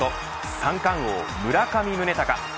三冠王村上宗隆。